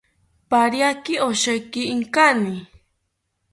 Pariaki osheki inkani